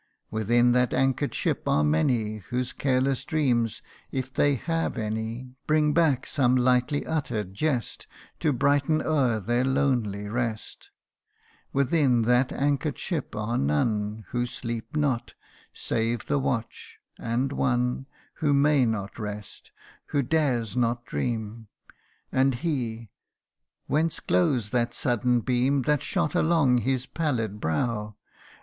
Within that anchor'd ship are many Whose careless dreams (if they have any) Bring back some lightly utter'd jest, To brighten o'er their lonely rest. CANTO IV. 149 Within that anchor'd ship are none Who sleep not, save the watch and one Who may not rest who dares not dream ; And he whence glows that sudden beam That shot along his pallid brow